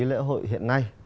lễ hội hiện nay